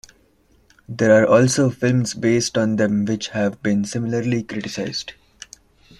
There are also films based on them which have been similarly criticized.